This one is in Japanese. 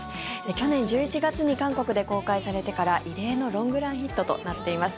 去年１１月に韓国で公開されてから異例のロングランヒットとなっています。